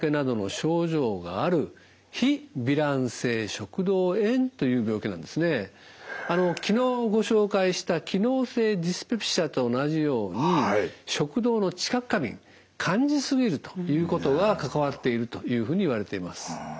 食道に昨日ご紹介した機能性ディスペプシアと同じように食道の知覚過敏感じ過ぎるということが関わっているというふうにいわれています。